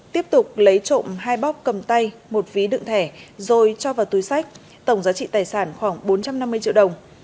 tiếp tục lấy trộm hai bóc cầm tay một ví đựng thẻ rồi cho vào túi sách tổng giá trị tài sản khoảng bốn trăm năm mươi triệu đồng